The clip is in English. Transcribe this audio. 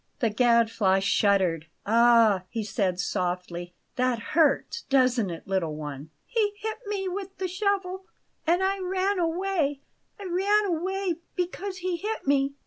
The Gadfly shuddered. "Ah!" he said softly, "that hurts; doesn't it, little one?" "He hit me with the shovel and I ran away I ran away because he hit me."